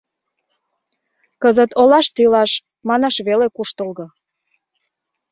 Кызыт олаште илаш — манаш веле куштылго.